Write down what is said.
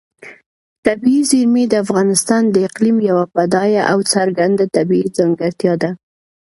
طبیعي زیرمې د افغانستان د اقلیم یوه بډایه او څرګنده طبیعي ځانګړتیا ده.